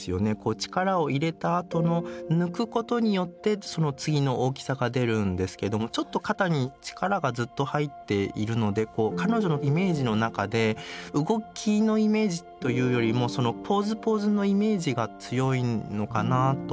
力を入れたあとの抜くことによってその次の大きさが出るんですけどもちょっと肩に力がずっと入っているので彼女のイメージの中で動きのイメージというよりもポーズポーズのイメージが強いのかなと思いました。